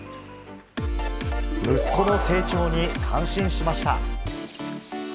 息子の成長に感心しました。